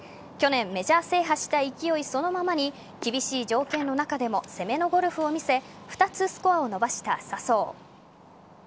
去年メジャー制覇した勢いそのままに厳しい条件の中でも攻めのゴルフを見せ２つスコアを伸ばした笹生。